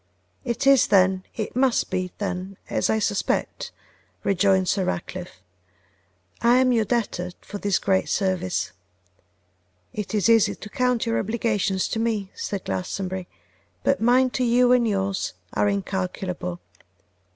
'It is, then, it must be then as I suspect,' rejoined Sir Ratcliffe. 'I am your debtor for this great service.' 'It is easy to count your obligations to me,' said Glastonbury, 'but mine to you and yours are incalculable.